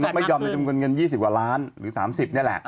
ไม่ยอมในจำนวนเงิน๒๐กว่าล้านหรือ๓๐นี่แหละ